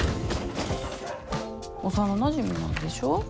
幼なじみなんでしょ？